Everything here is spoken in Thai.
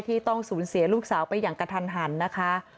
ที่ต้องสูญเสียลูกสาวไปอย่างกระทันหันนะคะ